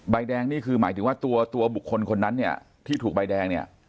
ใบแดงนี่คือหมายถึงว่าตัวบุคคลคนนั้นที่ถูกใบแดง